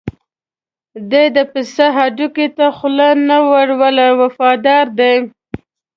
دی د پسه هډوکي ته خوله نه ور وړي وفادار دی.